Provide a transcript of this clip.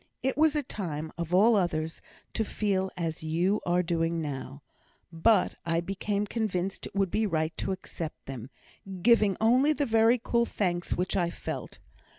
It was a time, of all others, to feel as you are doing now; but I became convinced it would be right to accept them, giving only the very cool thanks which I felt.